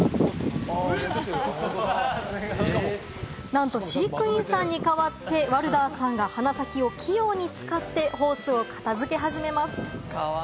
なんと飼育員さんにかわってワルダーさんが鼻先を器用に使ってホースを片付け始めます。